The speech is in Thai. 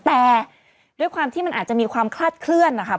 แต่ด้วยความที่มันอาจจะมีความคลาดเคลื่อนนะคะ